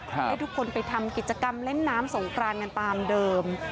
ให้ทุกคนไปทำกิจกรรมเล่นน้ำสงกรานกันตามเดิม